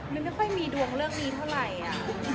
มันไม่ค่อยมีดวงเรื่องนี้เท่าไหร่